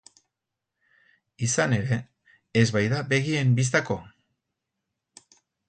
Izan ere, ez baita begien bistako.